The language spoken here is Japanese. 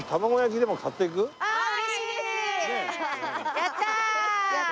やった！